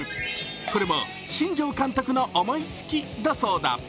これも新城監督の思いつきだそうだ。